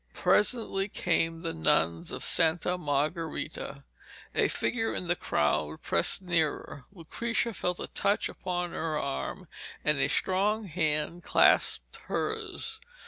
Presently came the nuns of Santa Margherita. A figure in the crowd pressed nearer. Lucrezia felt a touch upon her arm, and a strong hand clasped hers.